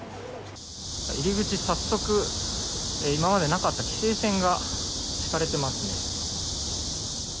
入り口に早速、今までなかった規制線が敷かれていますね。